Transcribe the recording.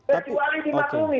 kecuali di maklumi